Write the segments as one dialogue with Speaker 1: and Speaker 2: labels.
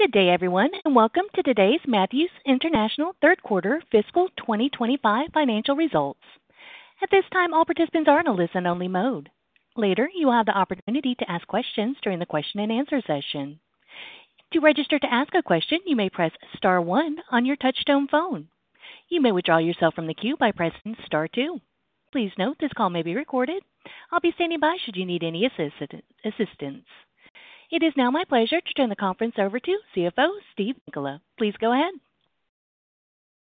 Speaker 1: Good day everyone and welcome to today's Matthews International third quarter fiscal 2025 financial results. At this time, all participants are in a listen-only mode. Later, you will have the opportunity to ask questions during the question-and-answer session. To register to ask a question, you may press star one on your touch-tone phone. You may withdraw yourself from the queue by pressing star two. Please note this call may be recorded. I'll be standing by should you need any assistance. It is now my pleasure to turn the conference over to CFO Steve Nicola. Please go ahead.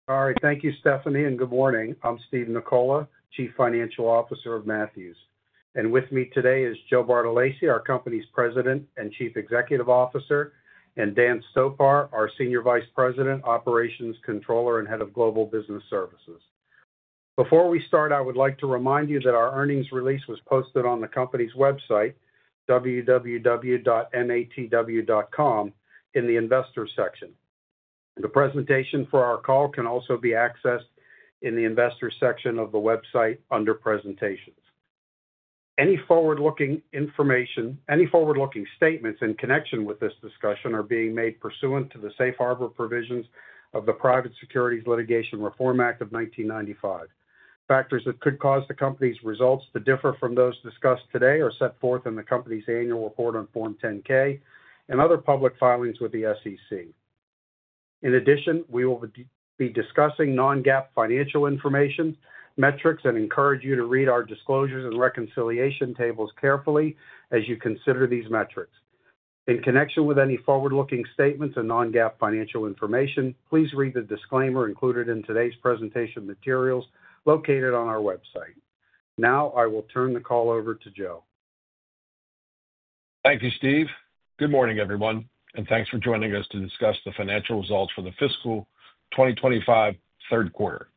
Speaker 2: All right, thank you, Stephanie, and good morning. I'm Steve Nicola, Chief Financial Officer of Matthews, and with me today is Joe Bartolacci, our company's President and Chief Executive Officer, and Dan Stopar, our Senior Vice President, Operations Controller and Head of Global Business Services. Before we start, I would like to remind you that our earnings release was posted on the company's website, www.matw.com in the Investors section. The presentation for our call can also be accessed in the Investors section of the website under Presentations. Any forward-looking information, any forward-looking statements in connection with this discussion are being made pursuant to the safe harbor provisions of the Private Securities Litigation Reform Act of 1995. Factors that could cause the company's results to differ from those discussed today are set forth in the company's annual report on Form 10-K and other public filings with the SEC. In addition, we will be discussing non-GAAP financial information metrics and encourage you to read our disclosures and reconciliation tables carefully as you consider these metrics in connection with any forward-looking statements and non-GAAP financial information. Please read the disclaimer included in today's presentation materials located on our website. Now I will turn the call over to Joe.
Speaker 3: Thank you, Steve. Good morning everyone and thanks for joining us to discuss the financial results for the fiscal 2025 third quarter.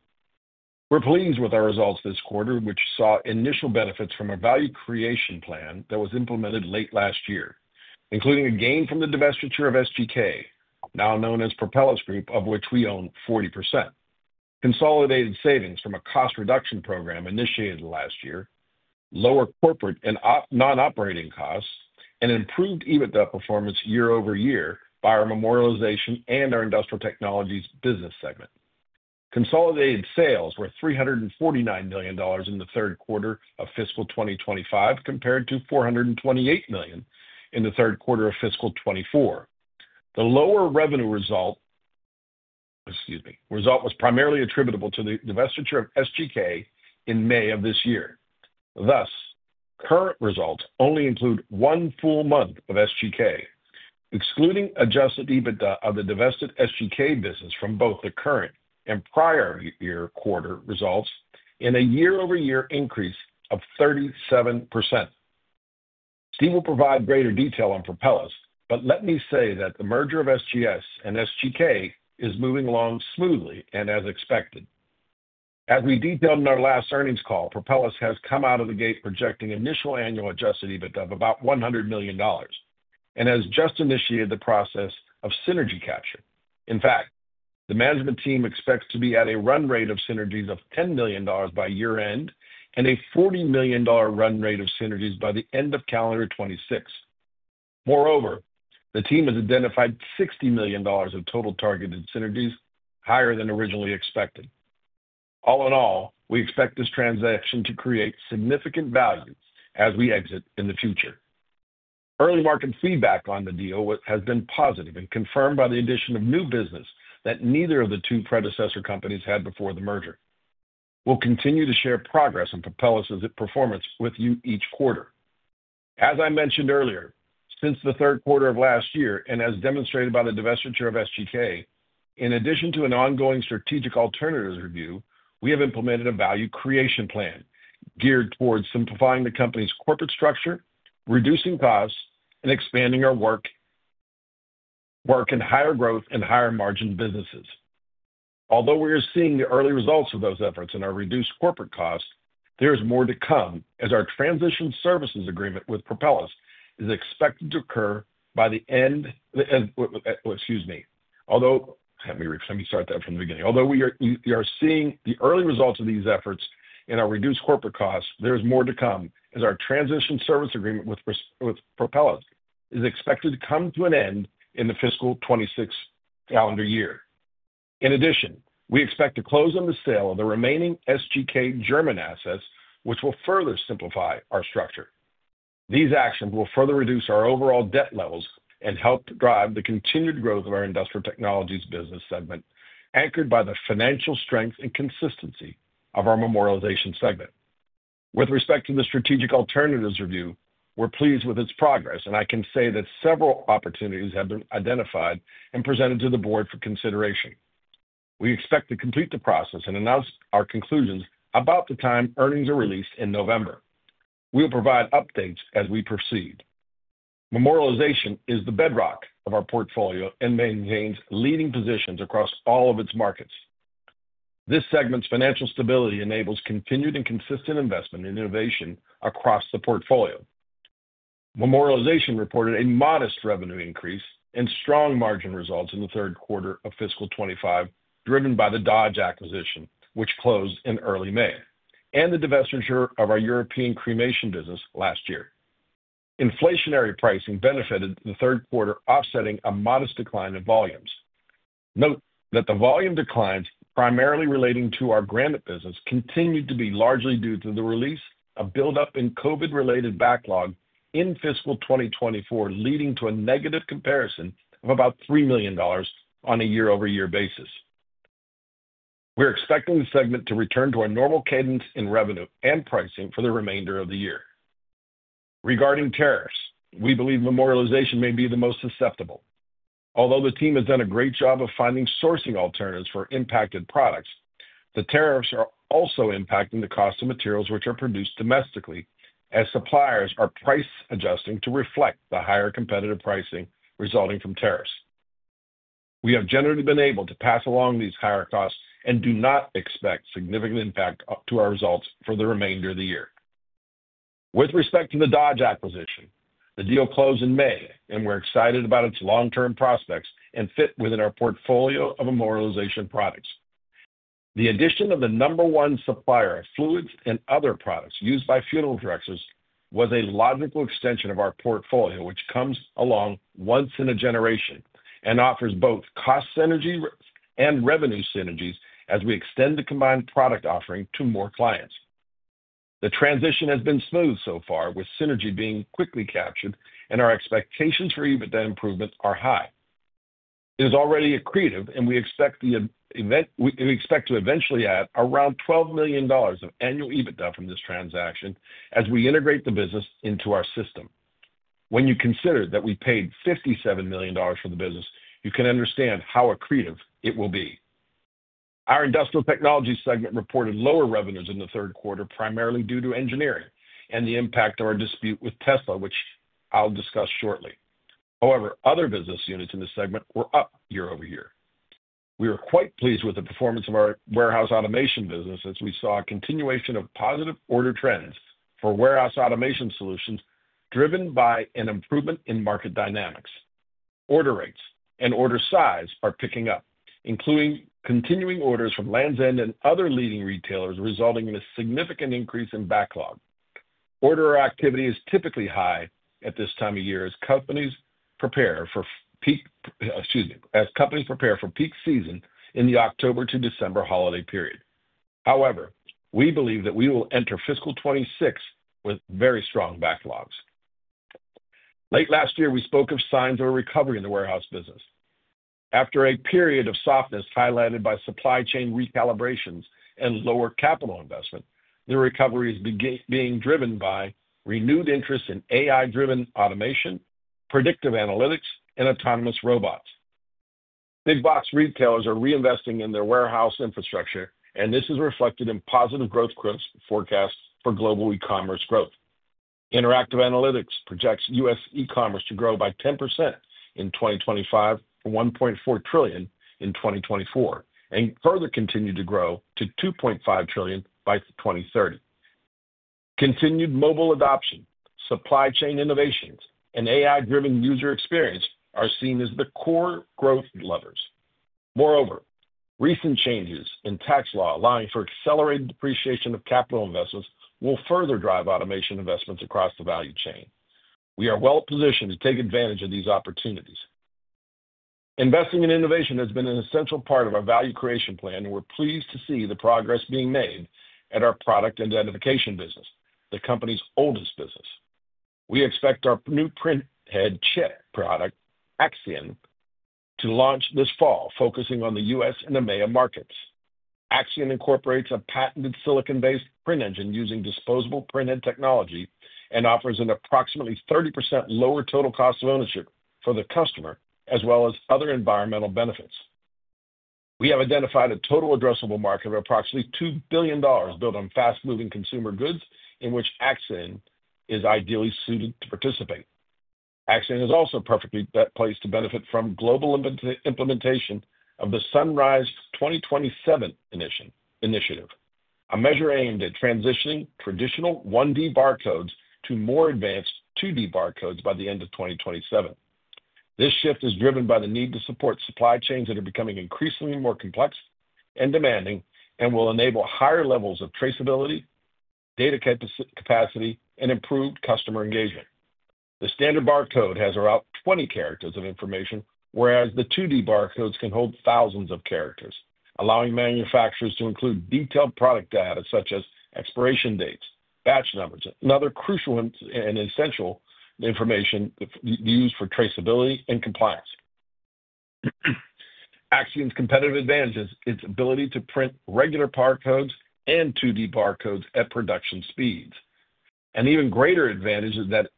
Speaker 3: We're pleased with our results this quarter, which saw initial benefits from our value creation plan that was implemented late last year, including a gain from the divestiture of SGK, now known as Propelis Group, of which we own 40%. Consolidated savings from a cost reduction program initiated last year, lower corporate and non-operating costs, and improved EBITDA performance year-over-year by our Memorialization and our Industrial Technologies business segment. Consolidated sales were $349 million in the third quarter of fiscal 2025 compared to $428 million in the third quarter of fiscal 2024. The lower revenue result was primarily attributable to the divestiture of SGK in May of this year. Thus, current results only include one full month of SGK. Adjusted EBITDA of the divested SGK business from both the current and prior year quarter results in a year-over-year increase of 37%. Dan will provide greater detail on Propelis, but let me say that the merger of SGS and SGK is moving along smoothly and as expected. As we detailed in our last earnings call, Propelis has come out of the gate projecting Adjusted EBITDA of about $100 million and has just initiated the process of synergy capture. In fact, the management team expects to be at a run rate of synergies of $10 million by year end and a $40 million run rate of synergies by the end of calendar 2026. Moreover, the team has identified $60 million of total targeted synergies, higher than originally expected. All in all, we expect this transaction to create significant value as we exit in the future. Early market feedback on the deal has been positive and confirmed by the addition of new business that neither of the two predecessor companies had before the merger. We'll continue to share progress and Propelis performance with you each quarter. As I mentioned earlier, since the third quarter of last year and as demonstrated by the divestiture of SGK, in addition to an ongoing strategic alternatives review, we have implemented a value creation plan geared towards simplifying the company's corporate structure, reducing costs, and expanding our work in higher growth and higher margin businesses. Although we are seeing the early results of these efforts in our reduced corporate costs, there is more to come as our transition services agreement with Propelis is expected to come to an end in the fiscal 2026 calendar year. In addition, we expect to close on the sale of the remaining SGK German assets, which will further simplify our structure. These actions will further reduce our overall debt levels and help drive the continued growth of our Industrial Technologies business segment, anchored by the financial strength and consistency of our Memorialization segment. With respect to the strategic alternatives review, we're pleased with its progress and I can say that several opportunities have been identified and presented to the Board for consideration. We expect to complete the process and announce our conclusions about the time earnings are released in November. We will provide updates as we proceed. Memorialization is the bedrock of our portfolio and maintains leading positions across all of its markets. This segment's financial stability enables continued and consistent investment in innovation across the portfolio. Memorialization reported a modest revenue increase and strong margin results in the third quarter of fiscal 2025, driven by the Dodge acquisition, which closed in early May, and the divestiture of our European cremation business last year. Inflationary pricing benefited the third quarter, offsetting a modest decline in volumes. Note that the volume declines, primarily relating to our granite business, continued to be largely due to the release of buildup in COVID-related backlog in fiscal 2024, leading to a negative comparison of about $3 million on a year-over-year basis. We're expecting the segment to return to a normal cadence in revenue and pricing for the remainder of the year. Regarding tariffs, we believe Memorialization may be the most susceptible, although the team has done a great job of finding sourcing alternatives for impacted products. The tariffs are also impacting the cost of materials, which are produced domestically, as suppliers are price adjusting to reflect the higher competitive pricing resulting from tariffs. We have generally been able to pass along these higher costs and do not expect significant impact to our results for the remainder of the year. With respect to the Dodge acquisition, the deal closed in May and we're excited about its long term prospects and fit within our portfolio of Memorialization products. The addition of the number one supplier of fluids and other products used by funeral directors was a logical extension of our portfolio which comes along once in a generation and offers both cost synergy and revenue synergies as we extend the combined product offering to more clients. The transition has been smooth so far, with synergy being quickly captured and our expectations for EBITDA improvement are high. It is already accretive and we expect to eventually add around $12 million of annual EBITDA from this transaction as we integrate the business into our system. When you consider that we paid $57 million for the business, you can understand how accretive it will be. Our Industrial Technologies segment reported lower revenues in the third quarter primarily due to engineering and the impact of our dispute with Tesla, which I'll discuss shortly. However, other business units in this segment were up year-over-year. We were quite pleased with the performance of our warehouse automation business as we saw a continuation of positive order trends for warehouse automation solutions driven by an improvement in market dynamics. Order rates and order size are picking up, including continuing orders from Lands' End and other leading retailers, resulting in a significant increase in backlog. Order activity is typically high at this time of year as companies prepare for peak season in the October to December holiday period. However, we believe that we will enter fiscal 2026 with very strong backlogs. Late last year we spoke of signs of a recovery in the warehouse business after a period of softness highlighted by supply chain recalibrations and lower capital investment. The recovery is being driven by renewed interest in AI driven automation, predictive analytics and autonomous robots. Big box retailers are reinvesting in their warehouse infrastructure and this is reflected in positive growth forecast for global e-commerce growth. Interactive analytics projects U.S. e-commerce to grow by 10% in 2025, $1.4 trillion in 2024 and further continue to grow to $2.5 trillion by 2030. Continued mobile adoption, supply chain innovations, and AI-driven user experience are seen as the core growth levers. Moreover, recent changes in tax law allowing for accelerated depreciation of capital investments will further drive automation investments across the value chain. We are well positioned to take advantage of these opportunities. Investing in innovation has been an essential part of our value creation plan, and we're pleased to see the progress being made at our product identification business, the company's oldest business. We expect our new printhead product, Axian, to launch this fall, focusing on the U.S. and EMEA markets. Axian incorporates a patented silicon-based print engine using disposable printhead technology and offers an approximately 30% lower total cost of ownership for the customer as well as other environmental benefits. We have identified a total addressable market of approximately $2 billion built on fast-moving consumer goods in which Axian is ideally suited to participate. Axian is also perfectly placed to benefit from global implementation of the Sunrise 2027 initiative, a measure aimed at transitioning traditional 1D barcodes to more advanced 2D barcodes by the end of 2027. This shift is driven by the need to support supply chains that are becoming increasingly more complex and demanding and will enable higher levels of traceability, data capacity, and improved customer engagement. The standard barcode has around 20 characters of information, whereas the 2D barcodes can hold thousands of characters, allowing manufacturers to include detailed product data such as expiration dates, batch numbers, and other crucial and essential information used for traceability and compliance. Axian's competitive advantage is its ability to print regular barcodes and 2D barcodes at production speeds. An even greater advantage is that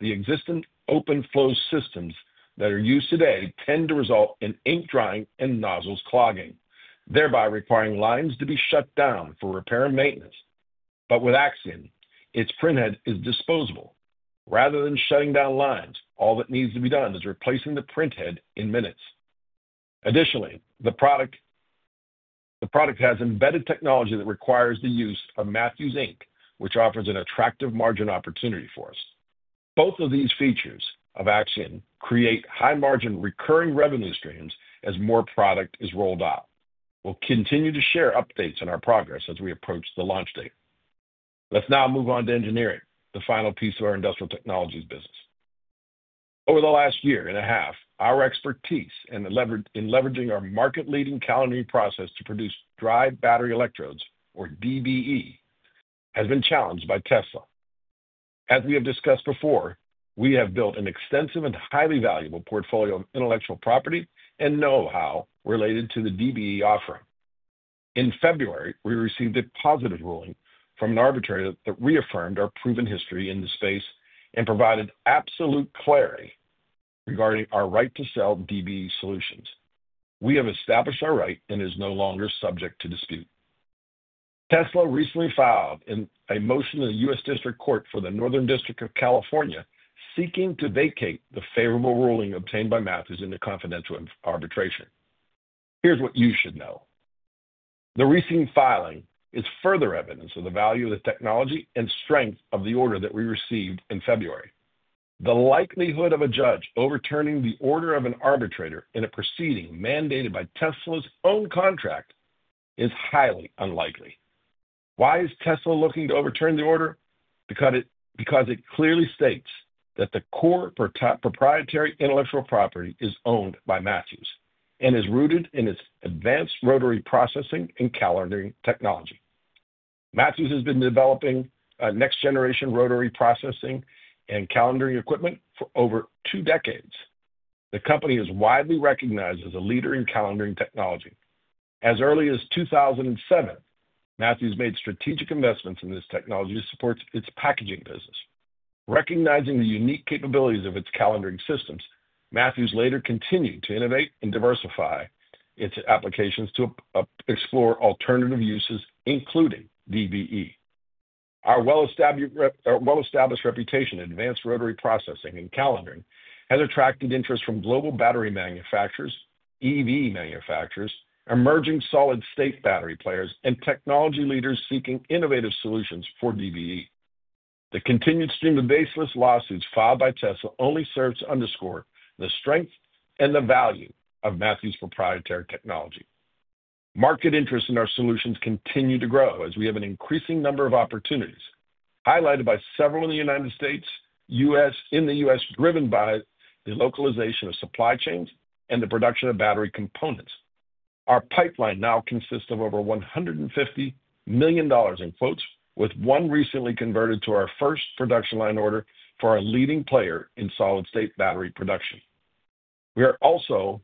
Speaker 3: the existing open flow systems that are used today tend to result in ink drying and nozzles clogging, thereby requiring lines to be shut down for repair and maintenance. With Axian, its printhead is disposable; rather than shutting down lines, all that needs to be done is replacing the printhead in minutes. Additionally, the product has embedded technology that requires the use of Matthews Inc., which offers an attractive margin opportunity for us. Both of these features of Axian create high-margin recurring revenue streams. As more product is rolled out, we'll continue to share updates on our progress as we approach the launch date. Let's now move on to engineering the final piece of our Industrial Technologies business. Over the last year and a half, our expertise in leveraging our market leading calendar process to produce dry battery electrodes or DBE has been challenged by Tesla. As we have discussed before, we have built an extensive and highly valuable portfolio of intellectual property and know-how related to the DBE offering. In February, we received a positive ruling from an arbitrator that reaffirmed our proven history in the space and provided absolute clarity regarding our right to sell DBE solutions. We have established our right and it is no longer subject to dispute. Tesla recently filed a motion in the U.S. District Court for the Northern District of California seeking to vacate the favorable ruling obtained by Matthews in the confidential arbitration. Here's what you should know. The recent filing is further evidence of the value of the technology and strength of the order that we received in February. The likelihood of a judge overturning the order of an arbitrator in a proceeding mandated by Tesla's own contract is highly unlikely. Why is Tesla looking to overturn the order? Because it clearly states that the core proprietary intellectual property is owned by Matthews and is rooted in its advanced rotary processing and calendar technology. Matthews has been developing next generation rotary processing and calendar equipment for over two decades. The company is widely recognized as a leader in calendaring technology. As early as 2007, Matthews made strategic investments in this technology to support its packaging business. Recognizing the unique capabilities of its calendaring systems, Matthews later continued to innovate and diversify its applications to explore alternative uses including DBE. Our well-established reputation in advanced rotary processing and calendaring has attracted interest from global battery manufacturers, EV manufacturers, emerging solid-state battery players, and technology leaders seeking innovative solutions for DBE. The continued stream of baseless lawsuits filed by Tesla only serves to underscore the strength and the value of Matthews proprietary technology. Market interest in our solutions continues to grow as we have an increasing number of opportunities highlighted by several in the United States, driven by the localization of supply chains and the production of battery components. Our pipeline now consists of over $150 million in quotes, with one recently converted to our first production line order for our leading player in solid-state battery production. We are also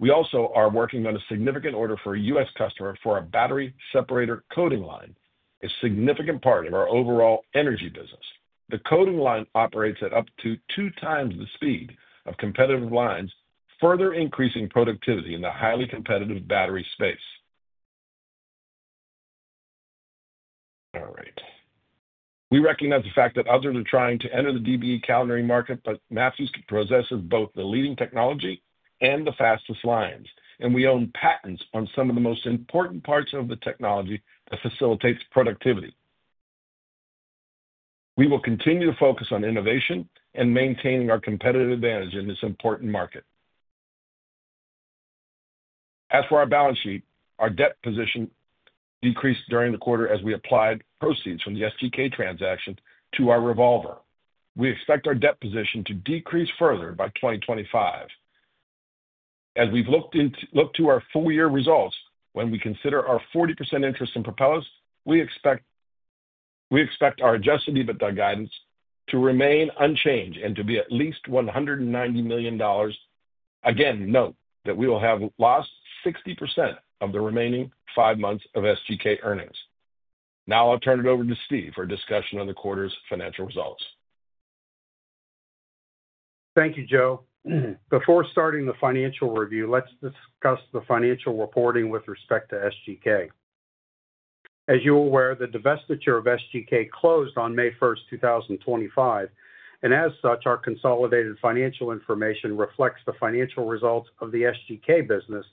Speaker 3: working on a significant order for a U.S. customer for a battery separator coating line, a significant part of our overall energy business. The coating line operates at up to two times the speed of competitive lines, further increasing productivity in the highly competitive battery space. We recognize the fact that others are trying to enter the DBE calendaring market, but Matthews possesses both the leading technology and the fastest lines, and we own patents on some of the most important parts of the technology that facilitates productivity. We will continue to focus on innovation and maintaining our competitive advantage in this important market. As for our balance sheet, our debt position decreased during the quarter as we applied proceeds from the SGK transaction to our revolver. We expect our debt position to decrease further by 2025 as we look to our full year results. When we consider our 40% interest in Propelis, we Adjusted EBITDA guidance to remain unchanged and to be at least $190 million. Again, note that we will have lost 60% of the remaining 5 months of SGK earnings. Now I'll turn it over to Steve for a discussion on the quarter's financial results.
Speaker 2: Thank you, Joe. Before starting the financial review, let's discuss the financial reporting with respect to SGK. As you're aware, the divestiture of SGK closed on May 1st, 2025, and as such, our consolidated financial information reflects the financial results of the SGK business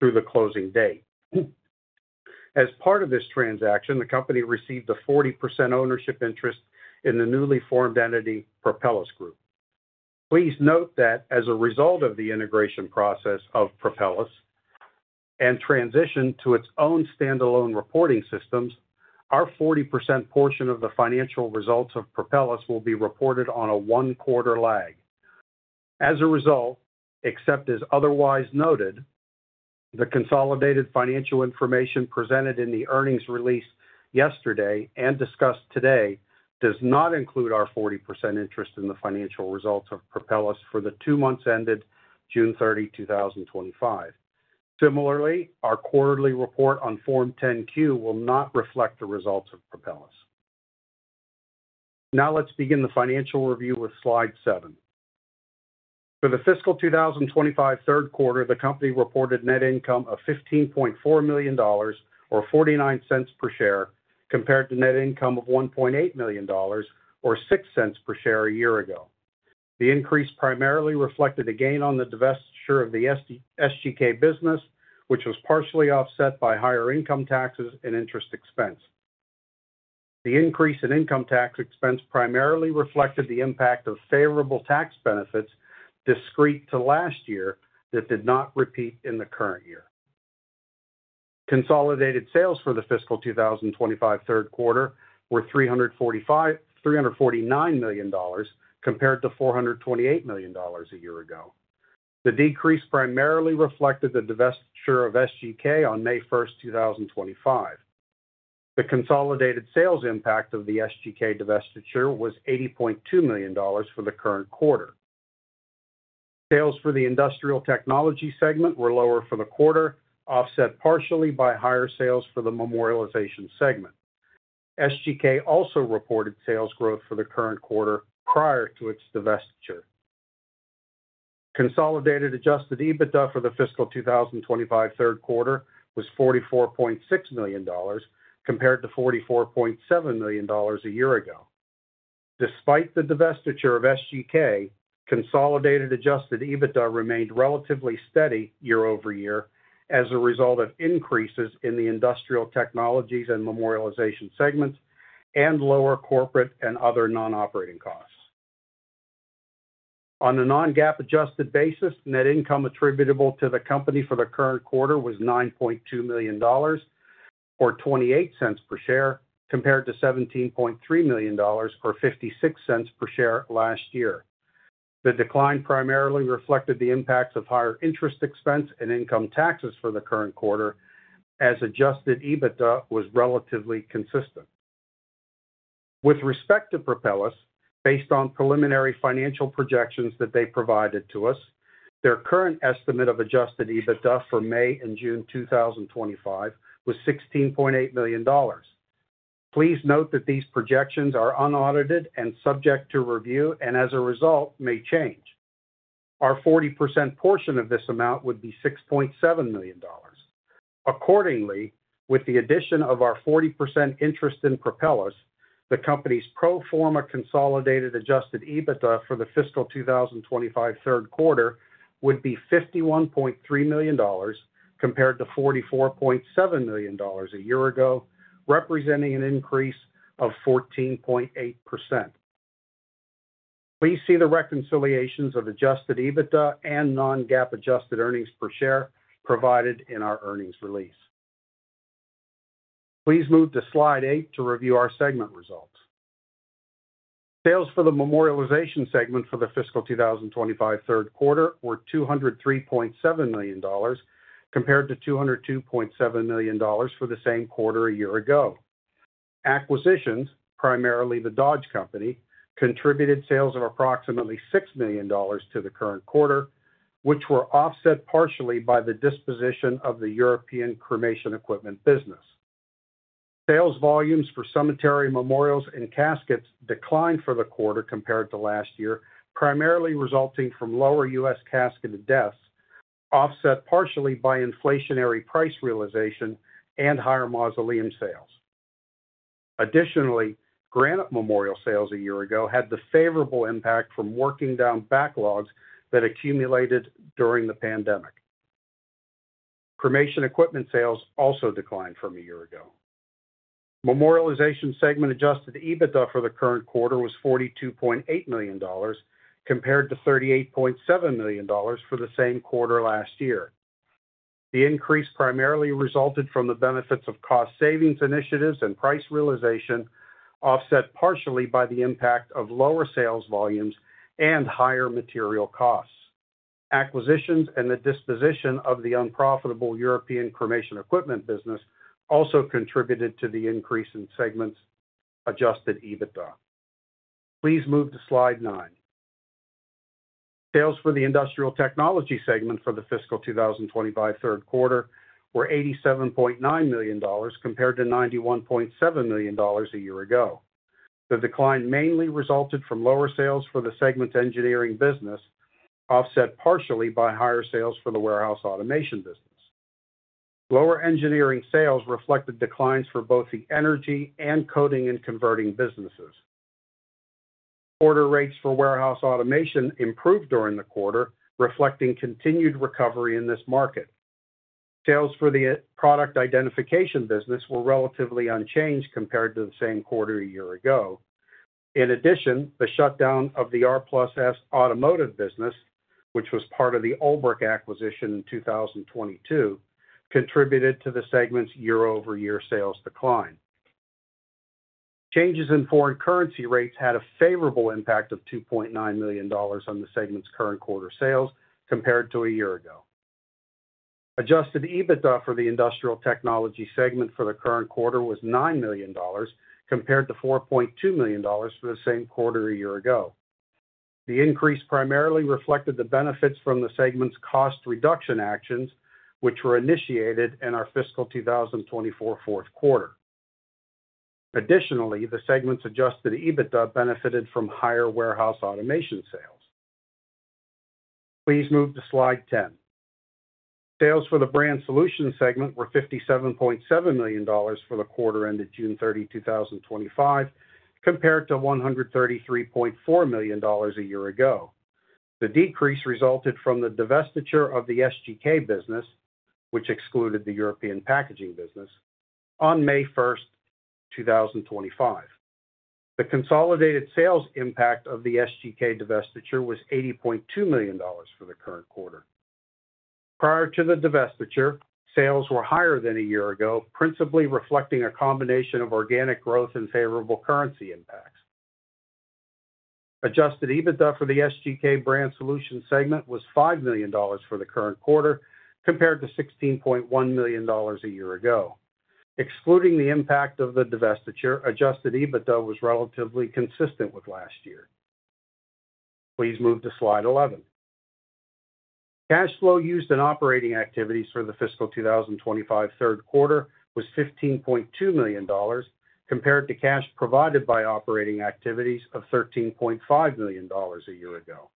Speaker 2: through the closing date. As part of this transaction, the company received a 40% ownership interest in the newly formed entity Propelis Group. Please note that as a result of the integration process of Propelis and transition to its own standalone reporting systems, our 40% portion of the financial results of Propelis will be reported on a one-quarter lag. As a result, except as otherwise noted, the consolidated financial information presented in the earnings release yesterday and discussed today does not include our 40% interest in the financial results of Propelis for the two months ended June 30, 2025. Similarly, our quarterly report on Form 10-Q will not reflect the results of Propelis. Now let's begin the financial review with slide seven. For the fiscal 2025 third quarter, the company reported net income of $15.4 million, or $0.49 per share, compared to net income of $1.8 million, or $0.06 per share a year ago. The increase primarily reflected a gain on the divestiture of the SGK business, which was partially offset by higher income taxes and interest expense. The increase in income tax expense primarily reflected the impact of favorable tax benefits discrete to last year that did not repeat in the current year. Consolidated sales for the fiscal 2025 third quarter were $349 million compared to $428 million a year ago. The decrease primarily reflected the divestiture of SGK on May 1st, 2025. The consolidated sales impact of the SGK divestiture was $80.2 million for the current quarter. Sales for the industrial technology segment were lower for the quarter, offset partially by higher sales for the Memorialization segment. SGK also reported sales growth for the current quarter prior to its Adjusted EBITDA for the fiscal 2025 third quarter was $44.6 million compared to $44.7 million a year ago. Despite the divestiture of Adjusted EBITDA remained relatively steady year-over-year as a result of increases in the Industrial Technologies and Memorialization segments and lower corporate and other non-operating costs. On a non-GAAP adjusted basis, net income attributable to the company for the current quarter was $9.2 million, or $0.28 per share, compared to $17.3 million, or $0.56 per share last year. The decline primarily reflected the impacts of higher interest expense and income taxes for the current Adjusted EBITDA was relatively consistent. With respect to Propelis, based on preliminary financial projections that they provided to us, their current Adjusted EBITDA for may and June 2025 was $16.8 million. Please note that these projections are unaudited and subject to review and as a result may change. Our 40% portion of this amount would be $6.7 million. Accordingly, with the addition of our 40% interest in Propelis, the company's pro Adjusted EBITDA for the fiscal 2025 third quarter would be $51.3 million compared to $44.7 million a year ago, representing an increase of 14.8%. Please see the Adjusted EBITDA and non-gaap adjusted earnings per share provided in our earnings release. Please move to slide eight to review our segment results. Sales for the Memorialization segment for the fiscal 2025 third quarter were $203.7 million compared to $202.7 million for the same quarter a year ago. Acquisitions, primarily the Dodge Company, contributed sales of approximately $6 million to the current quarter, which were offset partially by the disposition of the European cremation equipment business. Sales volumes for cemetery memorials and caskets declined for the quarter compared to last year, primarily resulting from lower U.S. casket deaths offset partially by inflationary price realization and higher mausoleum sales. Additionally, granite memorial sales a year ago had the favorable impact from working down backlogs that accumulated during the pandemic. Cremation equipment sales also declined from a year ago. Adjusted EBITDA for the current quarter was $42.8 million compared to $38.7 million for the same quarter last year. The increase primarily resulted from the benefits of cost savings initiatives and price realization, offset partially by the impact of lower sales volumes and higher material costs. Acquisitions and the disposition of the unprofitable European cremation equipment business also contributed to the increase Adjusted EBITDA. please move to slide nine. Sales for the Industrial Technology segment for the fiscal 2025 third quarter were $87.9 million compared to $91.7 million a year ago. The decline mainly resulted from lower sales for the segment engineering business, offset partially by higher sales for the warehouse automation business. Lower engineering sales reflected declines for both the energy and coating and converting businesses. Order rates for warehouse automation improved during the quarter, reflecting continued recovery in this market. Sales for the product identification business were relatively unchanged compared to the same quarter a year ago. In addition, the shutdown of the R+S Automotive business, which was part of the OLBRICH acquisition in 2022, contributed to the segment's year-over-year sales decline. Changes in foreign currency rates had a favorable impact of $2.9 million on the segment's current quarter sales compared to a Adjusted EBITDA for the Industrial Technology segment for the current quarter was $9 million compared to $4.2 million for the same quarter a year ago. The increase primarily reflected the benefits from the segment's cost reduction actions, which were initiated in our fiscal 2024 fourth quarter. Additionally, Adjusted EBITDA benefited from higher warehouse automation sales. Please move to slide 10. Sales for the Brand Solutions segment were $57.7 million for the quarter ended June 30, 2025, compared to $133.4 million a year ago. The decrease resulted from the divestiture of the SGK business, which excluded the European packaging business on May 1st, 2025. The consolidated sales impact of the SGK divestiture was $80.2 million for the current quarter. Prior to the divestiture, sales were higher than a year ago, principally reflecting a combination of organic growth and favorable Adjusted EBITDA for the SGK Brand Solutions segment was $5 million for the current quarter compared to $16.1 million a year ago. Excluding the impact of Adjusted EBITDA was relatively consistent with last year. Please move to slide 11. Cash flow used in operating activities for the fiscal 2025 third quarter was $15.2 million compared to cash provided by operating activities of $13.5 million a year ago.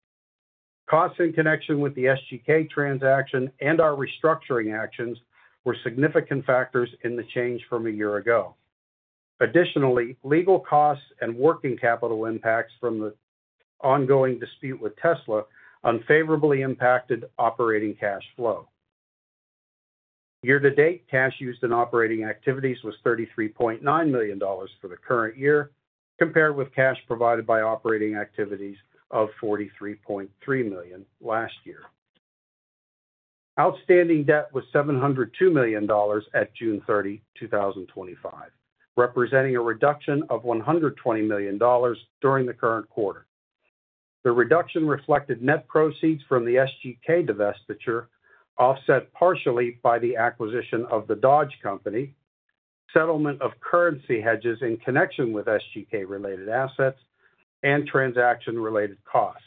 Speaker 2: Costs in connection with the SGK transaction and our restructuring actions were significant factors in the change from a year ago. Additionally, legal costs and working capital impacts from the ongoing dispute with Tesla unfavorably impacted operating cash flow year to date. Cash used in operating activities was $33.9 million for the current year compared with cash provided by operating activities of $43.3 million last year. Outstanding debt was $702 million at June 30, 2025, representing a reduction of $120 million during the current quarter. The reduction reflected net proceeds from the SGK divestiture, offset partially by the acquisition of the Dodge Company, settlement of currency hedges in connection with SGK related assets, and transaction related costs.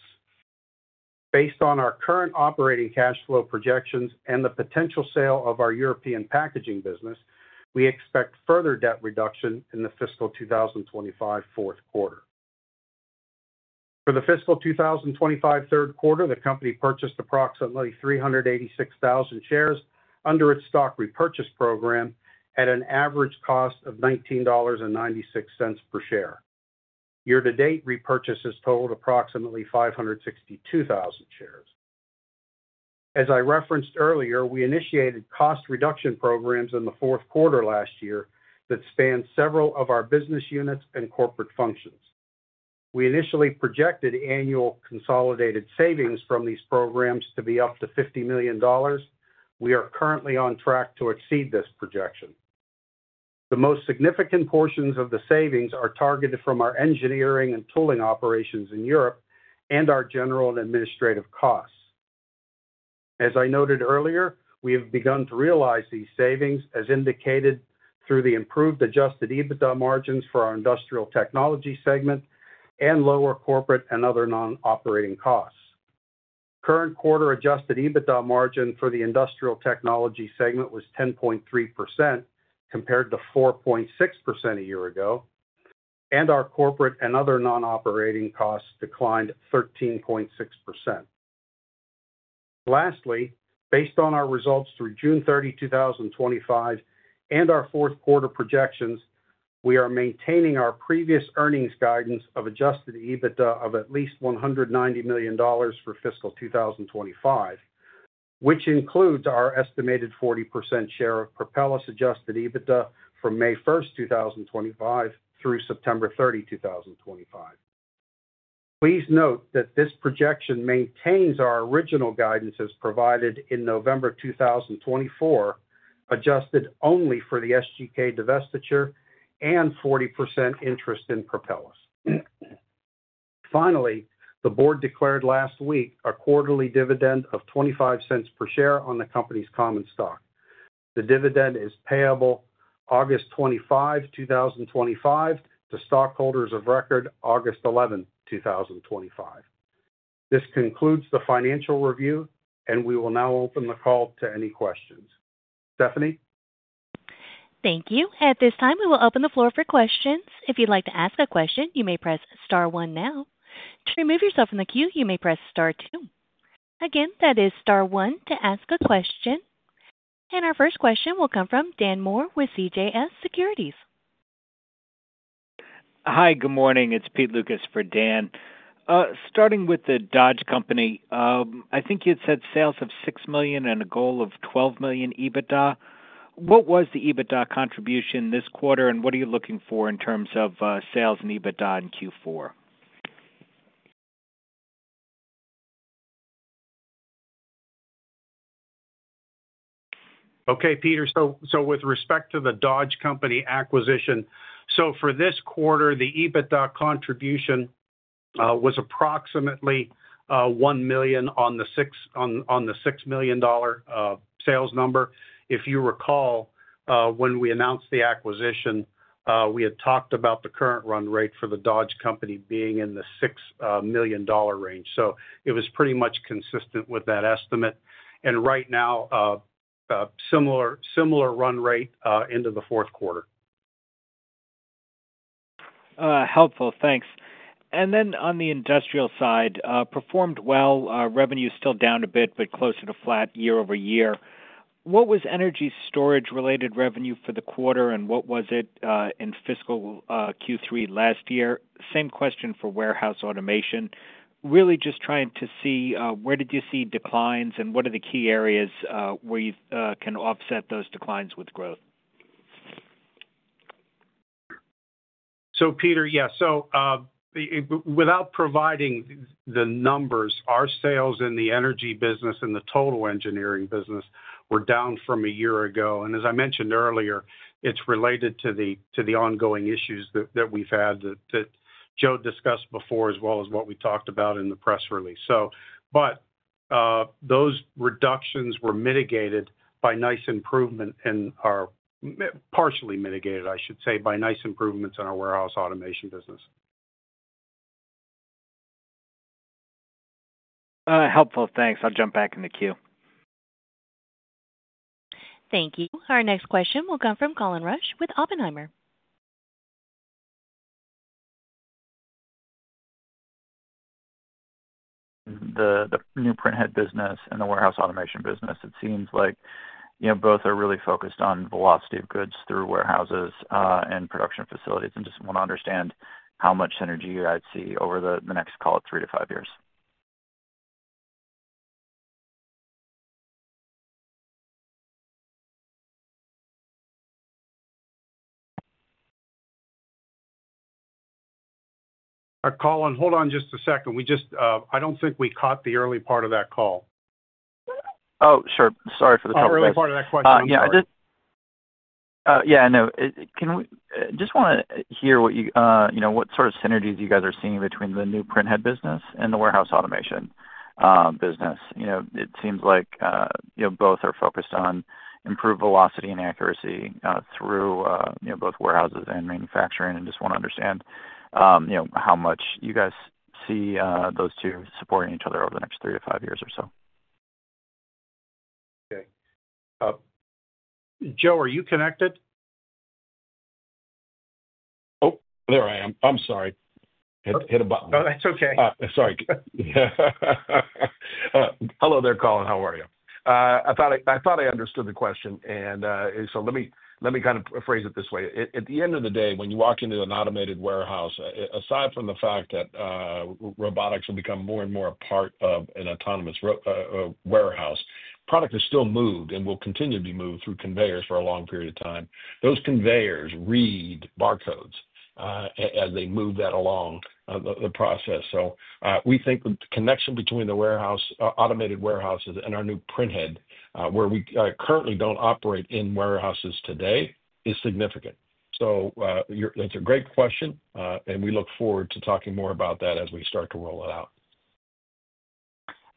Speaker 2: Based on our current operating cash flow projections and the potential sale of our European packaging business, we expect further debt reduction in the fiscal 2025 fourth quarter. For the fiscal 2025 third quarter, the company purchased approximately 386,000 shares under its stock repurchase program at an average cost of $19.96 per share. Year to date, repurchases totaled approximately 562,000 shares. As I referenced earlier, we initiated cost reduction programs in the fourth quarter last year that span several of our business units and corporate functions. We initially projected annual consolidated savings from these programs to be up to $50 million. We are currently on track to exceed this projection. The most significant portions of the savings are targeted from our engineering and tooling operations in Europe and our general and administrative costs. As I noted earlier, we have begun to realize these savings as indicated through Adjusted EBITDA margins for our industrial technology segment and lower corporate and other non operating costs. Adjusted EBITDA margin for the industrial technology segment was 10.3% compared to 4.6% a year ago, and our corporate and other non operating costs declined 13.6%. Lastly, based on our results through June 30, 2025, and our fourth quarter projections, we are maintaining our previous earnings Adjusted EBITDA of at least $190 million for fiscal 2025, which includes our estimated 40% share Adjusted EBITDA from may 1st, 2025 through September 30, 2025. Please note that this projection maintains our original guidance as provided in November 2024, adjusted only for the SGK divestiture and 40% interest in Propelis. Finally, the board declared last week a quarterly dividend of $0.25 per share on the company's common stock. The dividend is payable August 25, 2025, to stockholders of record August 11, 2025. This concludes the financial review, and we will now open the call to any questions. Stephanie?
Speaker 1: Thank you. At this time, we will open the floor for questions. If you'd like to ask a question, you may press star one. To remove yourself from the queue, you may press star two. Again, that is star one to ask a question. Our first question will come from Dan Moore with CJS Securities.
Speaker 4: Hi, good morning. It's Pete Lucas for Dan. Starting with the Dodge Company, I think you had said sales of $6 million and a goal of $12 million EBITDA. What was the EBITDA contribution this quarter, and what are you looking for in terms of sales and EBITDA in Q4?
Speaker 2: Okay, Peter, with respect to the Dodge Company acquisition, for this quarter, the EBITDA contribution was approximately $1 million on the $6 million sales number. If you recall, when we announced the acquisition, we had talked about the current run rate for the Dodge Company being in the $6 million range. It was pretty much consistent with that estimate, and right now, similar run rate into the fourth quarter.
Speaker 4: Helpful. Thanks. On the industrial side, performed well. Revenue still down a bit, but closer to flat year-over-year. What was energy storage related revenue for the quarter, and what was it in fiscal Q3 last year? Same question for warehouse automation. Really just trying to see where did you see declines, and what are the key areas where you can offset those declines with growth.
Speaker 2: So Peter? Yes. Without providing the numbers, our sales in the energy business and the total engineering business were down from a year ago. As I mentioned earlier, it's related to the ongoing issues that we've had that Joe discussed before as well as what we talked about in the press release. Those reductions were mitigated, or partially mitigated I should say, by nice improvements in our warehouse automation business.
Speaker 4: Helpful, thanks. I'll jump back in the queue.
Speaker 1: Thank you. Our next question will come from Colin Rusch with Oppenheimer.
Speaker 5: The new printhead business and the warehouse automation business. It seems like, you know, both are really focused on velocity of goods through warehouses and production facilities. I just want to understand how much energy I'd see over the next, call. It is three to five years.
Speaker 2: Colin, hold on just a second. I don't think we caught the early part of that call.
Speaker 5: Oh, sure, sorry for the early part of that question. Can we just want to hear what you, you know, what sort of synergies you guys are seeing between the new printhead business and the warehouse automation business? You know, it seems like, you know, both are focused on improved velocity and accuracy through, you know, both warehouses and manufacturing. Just want to understand, you know, how much you guys see those two supporting each other over the next three to five years or so.
Speaker 2: Okay. Joe, are you connected?
Speaker 3: There I am. I'm sorry. Hit a button.
Speaker 2: Oh, that's okay.
Speaker 3: Hello there, Colin, how are you? I thought I understood the question. Let me kind of phrase it this way. At the end of the day when you walk into an automated warehouse, aside from the fact that robotics will become more and more a part of an autonomous warehouse, product is still moved and will continue to be moved through conveyors for a long period of time. Those conveyors read barcodes as they move that along the process. We think the connection between the warehouse, automated warehouses and our new printhead, where we currently don't operate in warehouses today, is significant. It's a great question and we look forward to talking more about that as we start to roll it out.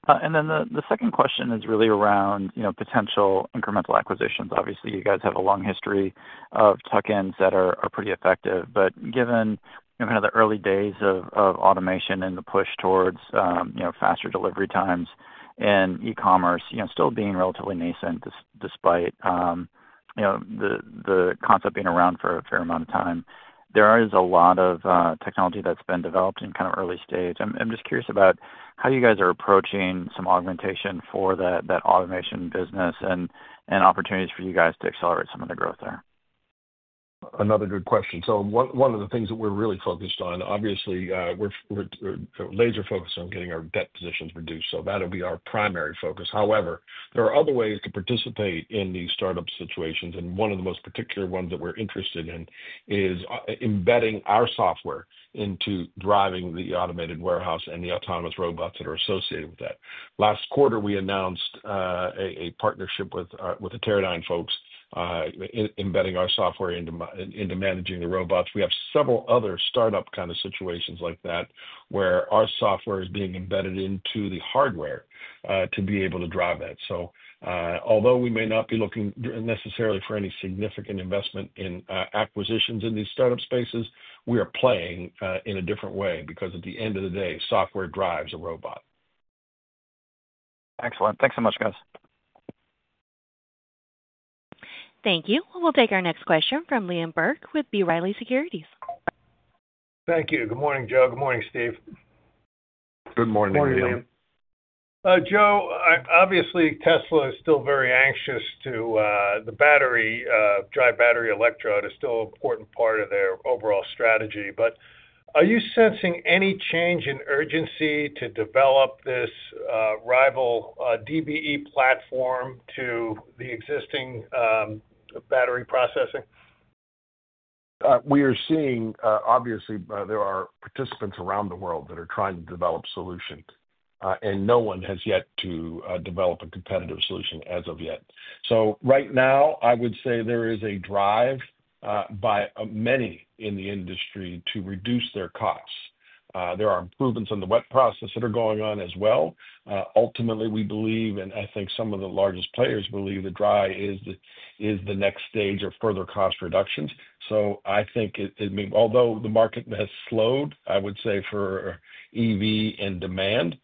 Speaker 5: The second question is really around potential incremental acquisitions. Obviously you guys have a long history of tuck-ins that are pretty effective, but given kind of the early days of automation and the push towards faster delivery times and e-commerce still being relatively nascent, despite the concept being around for a fair amount of time, there is a lot of technology that's been developed in kind of early stage. I'm just curious about how you guys are approaching some augmentation for that automation business and opportunities for you guys to accelerate some of the growth there.
Speaker 3: Another good question. One of the things that we're really focused on, obviously we're laser focused on getting our debt positions reduced. That'll be our primary focus. However, there are other ways to participate in these startup situations and one of the most particular ones that we're interested in is embedding our software into driving the automated warehouse and the autonomous robots that are associated with that. Last quarter, we had a partnership with the Teradyne folks, embedding our software into managing the robots. We have several other startup kind of situations like that where our software is being embedded into the hardware to be able to drive that. Although we may not be looking necessarily for any significant investment in acquisitions in these startup spaces, we are playing in a different way because at the end of the day, software drives a robot.
Speaker 5: Excellent. Thanks so much, guys.
Speaker 1: Thank you. We'll take our next question from Liam Burke with B. Riley Securities.
Speaker 6: Thank you. Good morning, Joe. Good morning, Steve.
Speaker 3: Good morning.
Speaker 6: Joe, obviously, Tesla is still very anxious to the battery. Dry battery electrode is still an important part of their overall strategy. Are you sensing any change in urgency to develop this rival DBE platform to the existing battery processing?
Speaker 3: We are seeing, obviously there are participants around the world that are trying to develop solutions, and no one has yet to develop a competitive solution as of yet. Right now I would say there is a drive by many in the industry to reduce their costs. There are improvements in the wet process that are going on as well. Ultimately, we believe, and I think some of the largest players believe the dry is the next stage of further cost reductions. Although the market has slowed, I would say for EV and demand,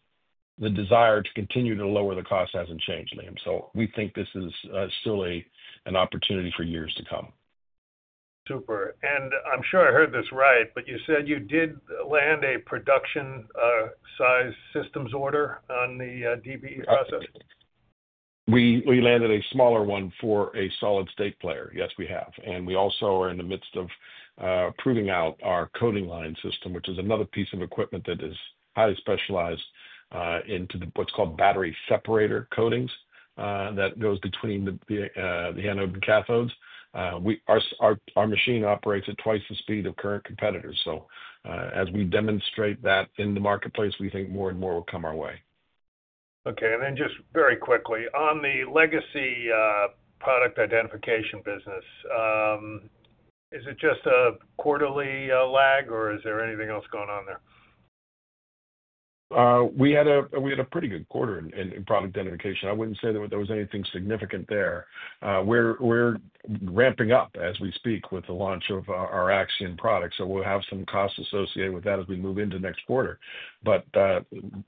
Speaker 3: the desire to continue to lower the cost hasn't changed, Liam. We think this is still an opportunity for years to come.
Speaker 6: Super. I'm sure I heard this right, but you said you did land a production size systems order on the DBE process.
Speaker 3: We landed a smaller one for a solid-state player. Yes, we have. We also are in the midst of proving out our coating line system, which is another piece of equipment that is highly specialized into what's called battery separator coatings that goes between the anode and cathodes. Our machine operates at twice the speed of current competitors. As we demonstrate that in the marketplace, we think more and more will come our way.
Speaker 6: Okay, and then just very quickly, on the legacy product identification business, is it just a quarterly lag or is there anything else going on there?
Speaker 3: We had a pretty good quarter in product identification. I wouldn't say that there was anything significant there. We're ramping up as we speak with the launch of our Axian products, so we'll have some costs associated with that as we move into next quarter. Product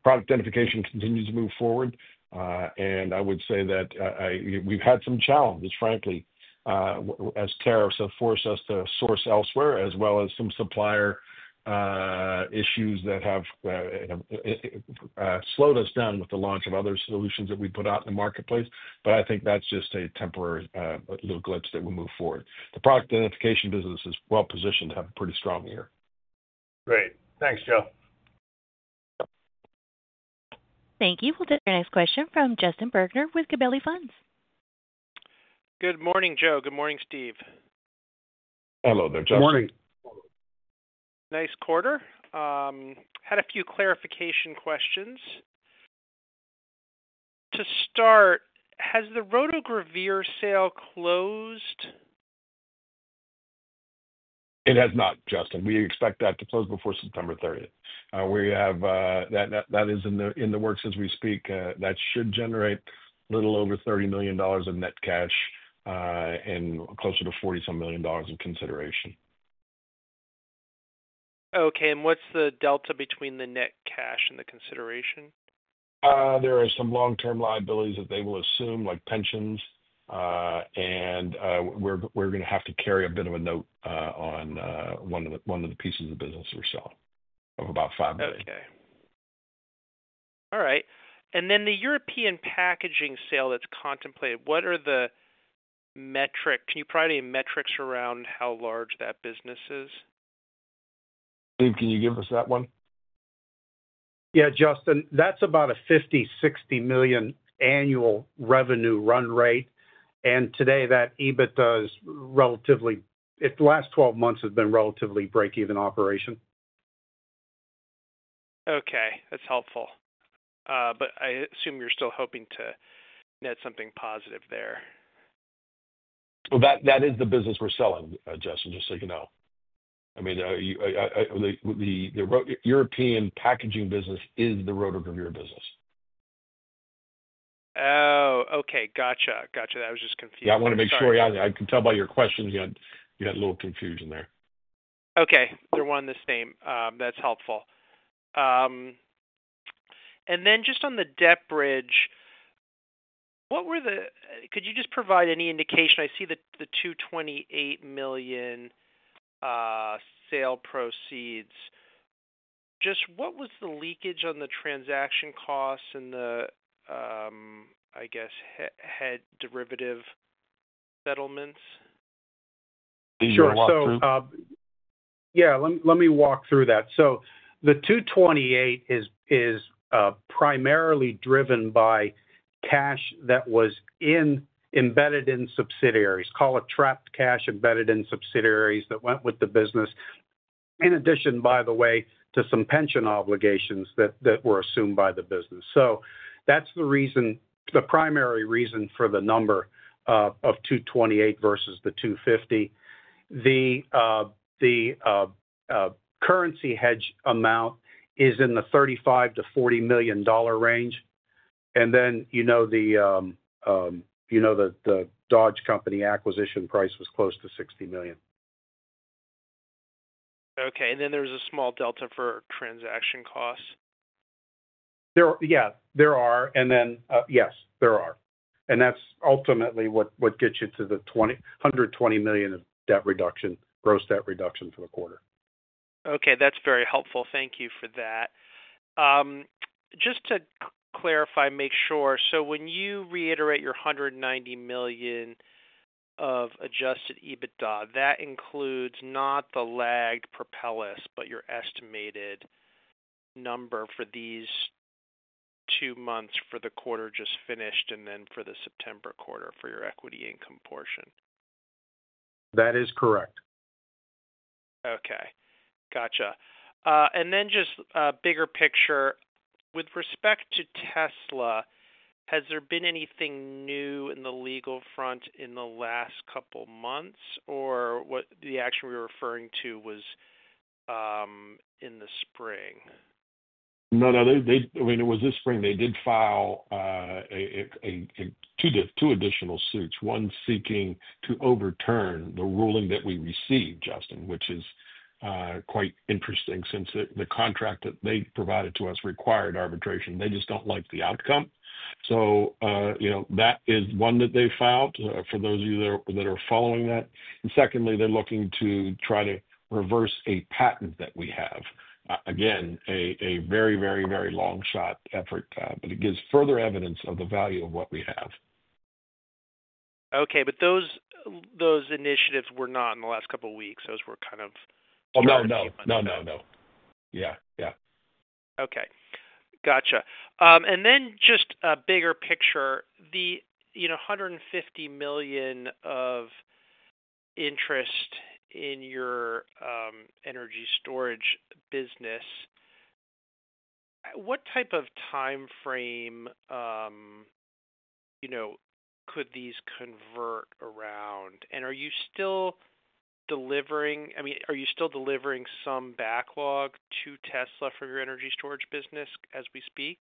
Speaker 3: identification continues to move forward. I would say that we've had some challenges, frankly, as tariffs have forced us to source elsewhere, as well as some supplier issues that have slowed us down with the launch of other solutions that we put out in the marketplace, I think that's just a temporary little glimpse as we move forward. The product identification business is well positioned to have a pretty strong year.
Speaker 6: Great, thanks Joe.
Speaker 1: Thank you. We'll take our next question from Justin Bergner with Gabelli Funds.
Speaker 7: Good morning, Joe. Good morning, Steve.
Speaker 3: Hello there, Justin.
Speaker 2: Good morning.
Speaker 7: Nice quarter. Had a few clarification questions to start. Has the rotogravure sale closed?
Speaker 3: It has not, Justin. We expect that to close before September 30th. That is in the works as we speak. That should generate a little over $30 million of net cash and closer to $40 million of consideration.
Speaker 7: Okay, what's the delta between the net cash and the consideration?
Speaker 3: There are some long term liabilities that they will assume like pensions. We're going to have to carry a bit of a note on one of the pieces of business we sell of about $5 million.
Speaker 7: All right, the European packaging sale that's contemplated, what are the metrics? Can you provide any metrics around how large that business is?
Speaker 3: Can you give us that one?
Speaker 2: Yeah, Justin, that's about a $50 million, $60 million annual revenue run rate. Today that EBITDA is relatively, the last 12 months has been a relatively break even operation.
Speaker 7: Okay, that's helpful. I assume you're still hoping to net something positive there.
Speaker 3: That is the business we're selling, Justin, just so you know. I mean, the European packaging business is the rotogravure business.
Speaker 7: Okay, gotcha, gotcha. That was just confusing.
Speaker 3: I want to make sure I can tell by your questions you had, you got a little confusion there.
Speaker 7: Okay, they're one and the same. That's helpful. Could you just provide any indication, I see that the $228 million sale proceeds, just what was the leakage on the transaction costs and the, I guess, had derivative settlements.
Speaker 2: Sure, yeah, let me walk through that. The $228 million is primarily driven by cash that was embedded in subsidiaries, call it trapped cash embedded in subsidiaries that went with the business, in addition, by the way, to some pension obligations that were assumed by the business. That's the reason, the primary reason for the number of $228 million versus the $250 million. The currency hedge amount is in the $35 million-$40 million range. You know, the Dodge Company acquisition price was close to $60 million.
Speaker 7: Okay, and there's a small delta for transaction costs.
Speaker 2: Yes, there are. That's ultimately what gets you to the $120 million of debt reduction, gross debt reduction to a quarter.
Speaker 7: Okay, that's very helpful. Thank you for that. Just to clarify, make sure. When you reiterate your $190 Adjusted EBITDA, that includes not the lagged Propelis, but your estimated number for these two months for the quarter just finished, and then for the September quarter for your equity income portion.
Speaker 3: That is correct.
Speaker 7: Okay, gotcha. Just a bigger picture with respect to Tesla. Has there been anything new in the legal front in the last couple months, or what the action we were referring to was in the spring?
Speaker 3: No, it was this spring. They did file two additional suits. One seeking to overturn the ruling that we received, Justin, which is quite interesting since the contract that they provided to us required arbitration. They just don't like the outcome. That is one that they filed for those of you that are following that. Secondly, they're looking to try to reverse a patent that we have. Again, a very, very, very long shot effort, but it gives further evidence of the value of what we have.
Speaker 7: Okay, those initiatives were not in the last couple of weeks, those were kind of.
Speaker 3: Yeah.
Speaker 7: Okay, gotcha. Just a bigger picture, the $150 million of interest in your energy storage business, what type of time frame? You know. Could these convert around? Are you still delivering, I mean, are you still delivering some backlog to Tesla for your energy storage business as we speak?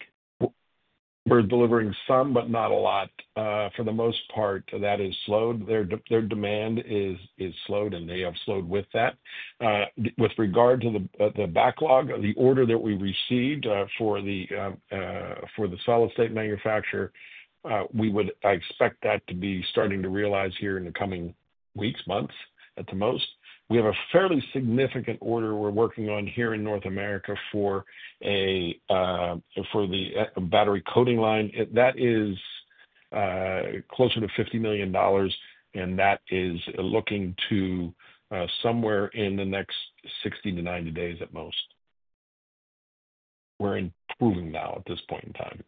Speaker 3: For delivering some, but not a lot. For the most part, that has slowed. Their demand is slowed. With regard to the backlog, the order that we received for the solid-state manufacturer, we would expect that to be starting to realize here in the coming weeks, months at the most. We have a fairly significant order we're working on here in North America for the battery coating line that is closer to $50 million, and that is looking to somewhere in the next 60 to 90 days at most. We're improving now at this point in time.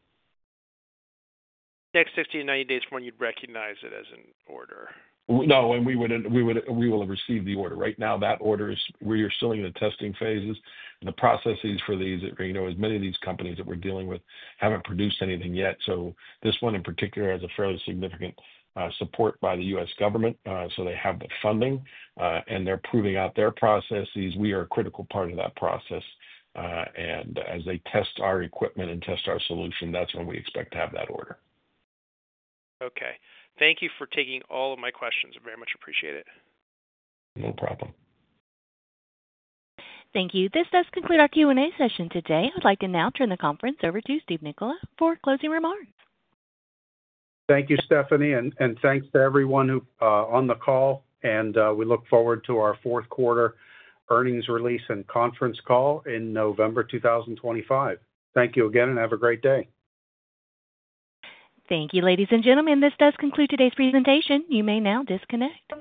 Speaker 7: Next 60 to 90 days. When you'd recognize it as an order.
Speaker 3: No, and we will have received the order. Right now that order is, we are still in the testing phases and the processes for these, as many of these companies that we're dealing with haven't produced anything yet. This one in particular has a fairly significant support by the U.S. Government. They have the funding and they're proving out their processes. We are a critical part of that process. As they test our equipment and test our solution, that's when we expect to have that order.
Speaker 7: Okay, thank you for taking all of my questions very much. Appreciate it.
Speaker 3: No problem.
Speaker 1: Thank you. This does conclude our Q&A session today. I would like to now turn the conference over to Steve Nicola for closing remarks.
Speaker 2: Thank you, Stephanie, and thanks to everyone on the call. We look forward to our fourth quarter earnings release and conference call in November 2025. Thank you again and have a great day.
Speaker 1: Thank you. Ladies and gentlemen, this does conclude today's presentation. You may now disconnect.